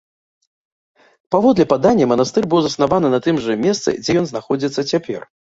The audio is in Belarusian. Паводле падання, манастыр быў заснаваны на тым жа месцы, дзе ён знаходзіцца цяпер.